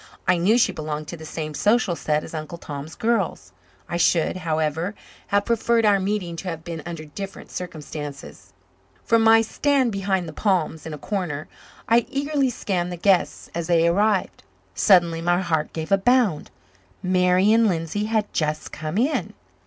I knew she belonged to the same social set as Uncle Tom's girls. I should, however, have preferred our meeting to have been under different circumstances. From my stand behind the palms in a corner I eagerly scanned the guests as they arrived. Suddenly my heart gave a bound. Marian Lindsay had just come in.